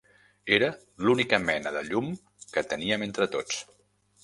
Era l'única mena de llum que teníem entre tots